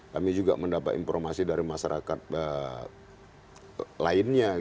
kami juga mendapat informasi dari masyarakat lainnya